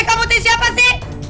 hei kamu di siapa sih